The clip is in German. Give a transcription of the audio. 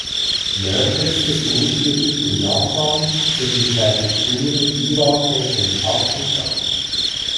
Nördlichstes Brutgebiet in Japan sind die Präfekturen Iwate und Akita.